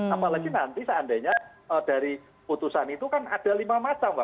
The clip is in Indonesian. apalagi nanti seandainya dari putusan itu kan ada lima macam pak